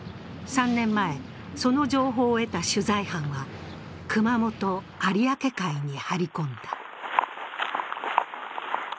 ３年前、その情報を得た取材班は熊本・有明海に張り込んだ。